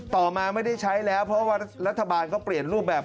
ต่อมาไม่ได้ใช้แล้วเพราะว่ารัฐบาลก็เปลี่ยนรูปแบบ